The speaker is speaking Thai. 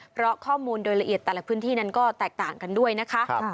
เพราะข้อมูลโดยละเอียดแต่ละพื้นที่นั้นก็แตกต่างกันด้วยนะคะ